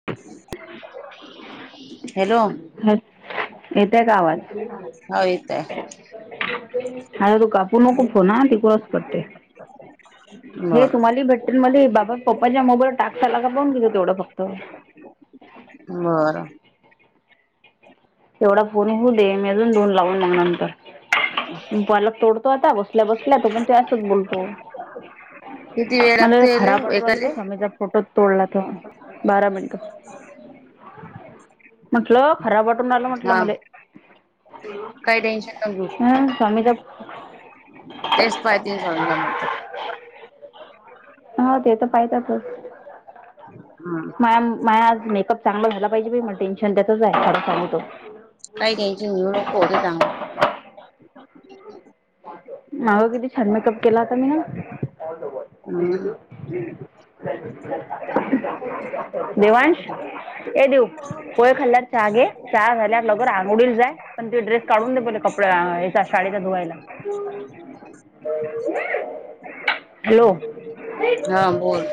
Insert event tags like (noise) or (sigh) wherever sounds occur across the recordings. (inaudible) येतोय का आवाज हो येत आहे हाउ कापू नको फोना तिकडूनच कटतय हे बर तुम्हाला हि भेटतं मध्ये बाबा पप्पाच्या मोबाईल टाक झाला का पून तिथं तेवढं फक्त बरं तेवढा फोन हो दे मी अजून दोन लावून नंतरला तोड तो आता बसल्या बसल्या तो पण तो असच बोलतो किती वेळ मला लागतो याले खराटरवाला बी एकाले स्वामीचा फोटोच तोडला त बारा मिनिट (inaudible) म्हटलं खराब वाट. म्हटलं हा मु काही टेन्शन न घेऊ (inaudible) ह स्मीचा. तेच पाय तीन स ज मत. हो ते तर पाहतात. (inaudible) हम्म म मा आज मेकअप चांगला झाला पाहिजे मग टेन्न त्याच आहे ख सांगतो. काही का्याची न नको होत चांगलंला. अगं किती छान मेकअप केला होता मी ना. हम्म (unintelligible) देवांश ये देऊ. पोहे खाल्ल्यावर चहा घे चहा झाल्या लगर आघोडीील जाय. पण ते ड्रेस काढून द पले कपड याचा शाळेचा धुवायला. हॅलो! (unintelligible) हम्म हा बोल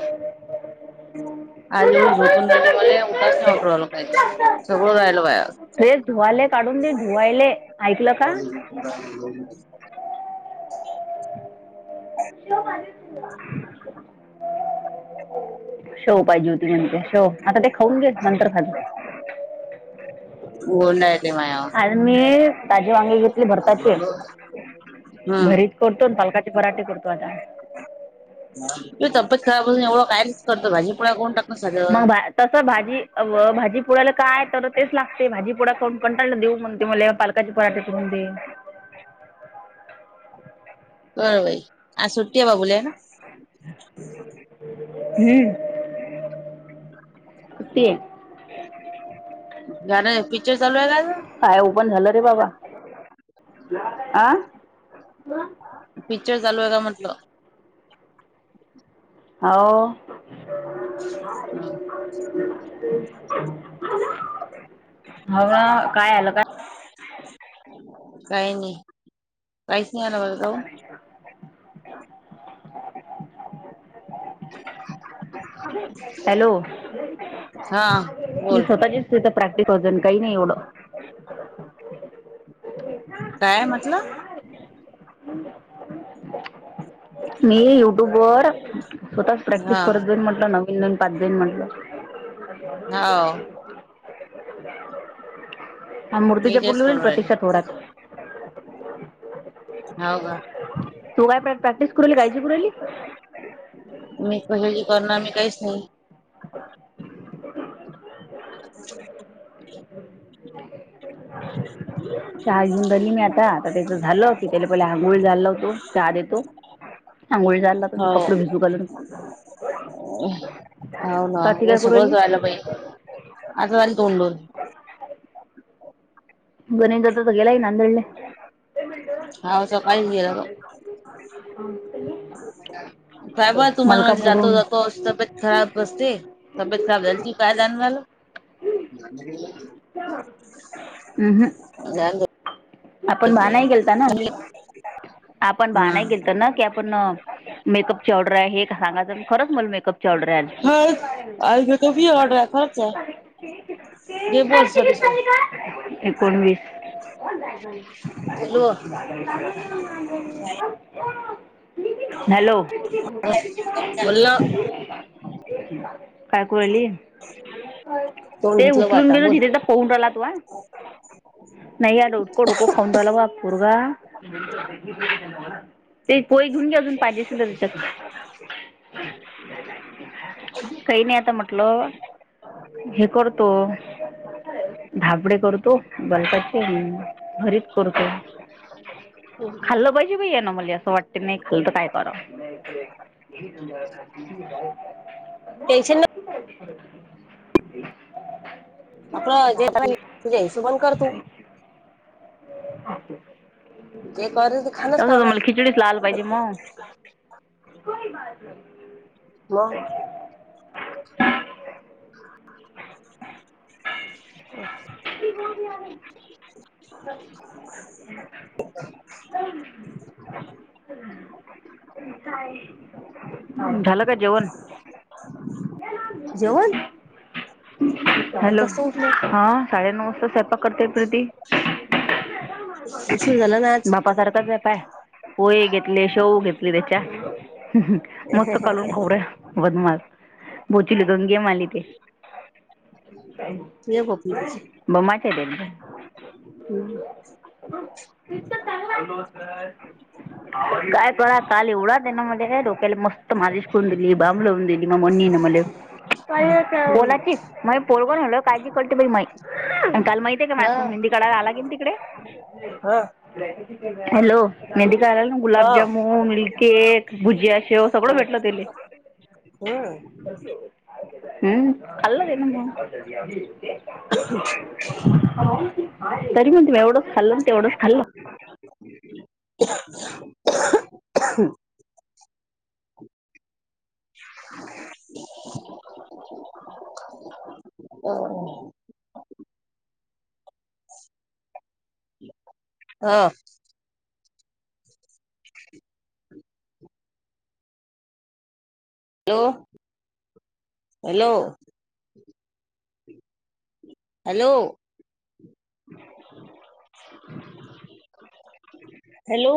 (unintelligible) आज एवढी झोतून राहिली मला उठच नाही वाटर राहिला काहीच सगळं राहिल बायाज. हे धुवाले काढून दे धुवायले ऐकलं का. हो. (unintelligible) (unintelligible) श (unintelligible) ह (unintelligible) शेव पाहिजे होती म्हणते शेव आता ते खाऊन गेल नंतर खाली. हो नाही. आणि मी ताजे वांगे घेतले भरताचे. हम्म भरीच करतो पालकाचे पराठे करतो आता. तब्येत खेळापासून एवढं कायच करतं भाजीपुळा कोण टाक मगबा. तस भाजी भाजी पुडाला काय तर तेच लागते भाजी पुडा कंटाळला देऊ म्हण त मला पालक. काचे पराठे करून दे. कळ बाई आ सुट्टीया बा बूले ना. (inaudible) हम्म ते. (inaudible) गण पिक्चर चालू आहे का. काय ओ पण झालं रे बाबा आ. पिक्चर चालू आहे का म्हटलं? हो. (unintelligible) ह काय आलं काय. काही नाही, काहीच नाही आण ब. नाही. (unintelligible) हॅलो! हा मी बोल स्वतःचीचथ प्रॅक्टिकजन काही नाही एवढं. काय म्हटलं? मी युट्यूब वर स्वतःच प्रॅक्टिस हा करत जाईन म्हटलं नवीन नवीन पात जाईन म्हटलं. हा. आणि मी मूर्तीच्या तेच पुर्लीवरील बोलू राहिले प्रतीक्षात होतात. हो का. तू काय प्रॅक्टिस करवली काळजी करवली. मी कसी करणार मी काहीच नाही. ह (unintelligible) चार जुून ररी मिळतात. त्याच झालं की त्याला पहिले आंघोळ झाला होतो चहा देतो. सांगोळी झालला तुचे हो कपडे भिजू घालून. हो स्वाती ना काय करू सगळंच राहिली वयला पाहि आता झाली तोंडून. बोनी दादा तो गेलाय नादेडला हाव सकाळीच गेला तो अ काय बा तुम्हाला म्हणलं जातो मलकापूरहून जातो तब्बेत का बसते तब्बेत खराब जालती काय जानुन राहील जाणे उहुं. दो आपण बहानाही केलता ना म्हणी आपण भा नाय गेलतो न की आपण नं मेकअप ची ऑर्डर आहे हे सांगाचं खरंच मला मेकअप ची ऑर्डर हा हाय आज कमी ऑर्डर आहे खरंच आज आहे ती घे बोल हाफ सॉरी तिकीट काढली सॉरी ग एकोणवीस बोल (unintelligible) हॅलो बोलों काय करू राहिली तोंड ते धुतलं बा उचलून आता देतो बोल तिथे जा तोंड आला तूवा नाही या डोट. कडु को खाऊन रायला वाट पोरगा. एक पोळी घेऊन घे अजून पाहिजे असणं त त्याच्यात. (unintelligible) काई नाय आता म्हटलं हे करतो. धाबडे करतो बल्काचे भरीत करतो. खाल्लं पाहिजे बाई यांना मले असं वाटते नाय खाल्ल तर काय कराव. ये समजा कती बि टेन्शन नं (unintelligible) आता (unintelligible) आपण जे जा घ्यायच बंद कर तू जे कर ते खाणच तसं त काम आहे मला खिचडीच लावयला पाहिजे म कोई बाात नही. मंग (unintelligible) ती (unintelligible) आहे (unintelligible) (unintelligible) (unintelligible) झालं का जेवण जेवण हॅलो आताच तर उठलो हा साडेनऊ वाजता स्वयंपाक करत्यात रे ती. उशीर झाला ना आज बापा करता कर पाय पोहे घेतले शेव घेतली त्याच्यात मस्त कालून खाऊ राय बदमाश बोचले घेऊन घे माले ते. नय होत नय त्याची मम्मा का (unintelligible) हम्म हॅलो सर काय कळा काल एवढा त्यानं मले डोक्याला मस्त माजिश करून दिली बांमं लावून दि नमून नेल मले बोला की माय पोरग रायलं काय गि कळते बाई माई आणि काल माहिती ये कामाया हा संग मेंदी काढायला आला की नाय तिकडे हा हॅलो मेंदी काढायला नां हा गुलाब जामुन केक भुजिया शेव सगळं भेटलं तेले. हम्म हूं खाल्लं त्यानं मं तरी मग तुम्ही एवढंच खाल्लं ते एवढंच खाल्लं (unintelligible) ह (inaudible) हो हा हॅलो हॅलो हॅलो हॅलो